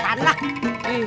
ih dikira dipanggil dikasih